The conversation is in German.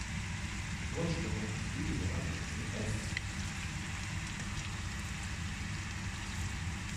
Die Grundstimmung ist üblicherweise in Es.